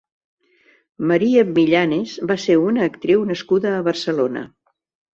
María Millanes va ser una actriu nascuda a Barcelona.